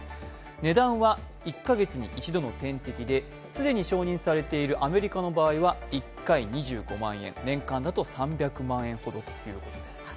値段は１カ月に１度の点滴で、既に承認されているアメリカの場合は１回２５万円、年間だと３００万円ほどだということです。